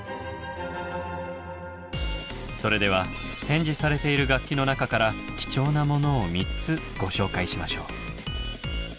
それでは展示されている楽器の中から貴重なものを３つご紹介しましょう。